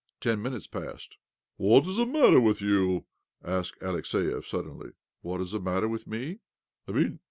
Ten minutes passed. "What is the matter with you?" asked Alexiev suddenly. " What is the matter with me?